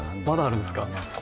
まだあるんですか？